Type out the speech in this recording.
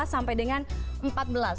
tiga belas sampai dengan sepuluh september